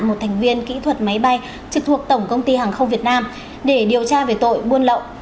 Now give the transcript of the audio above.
một thành viên kỹ thuật máy bay trực thuộc tổng công ty hàng không việt nam để điều tra về tội buôn lậu